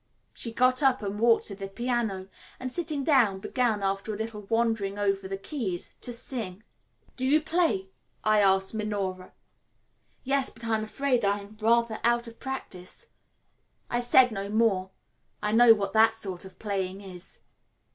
She got up and walked to the piano, and, sitting down, began, after a little wandering over the keys, to sing. "Do you play?" I asked Minora. "Yes, but I am afraid I am rather out of practice." I said no more. I know what that sort of playing is.